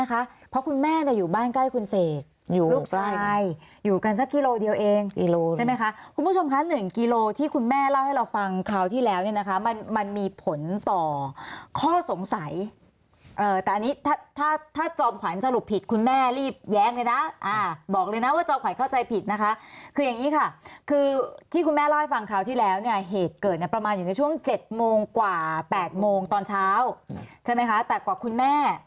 คุณผู้ชมค่ะ๑กิโลที่คุณแม่เล่าให้เราฟังคราวที่แล้วเนี่ยนะคะมันมีผลต่อข้อสงสัยแต่อันนี้ถ้าจอมขวัญสรุปผิดคุณแม่รีบแยกเลยนะบอกเลยนะว่าจอมขวัญเข้าใจผิดนะคะคืออย่างนี้ค่ะคือที่คุณแม่เล่าให้ฟังคราวที่แล้วเนี่ยเหตุเกิดประมาณอยู่ในช่วง๗โมงกว่า๘โมงตอนเช้าใช่ไหมคะแต่กว่าคุณแ